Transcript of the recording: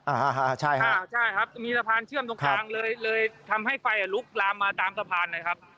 อ่าฮะใช่ค่ะใช่ครับมีสะพานเชื่อมตรงกลางเลยเลยทำให้ไฟอ่ะลุกลามมาตามสะพานนะครับ